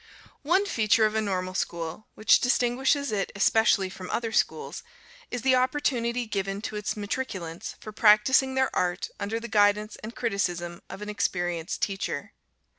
One feature of a Normal School which distinguishes it especially from other schools, is the opportunity given to its matriculants for practising their art under the guidance and criticism of an experienced teacher.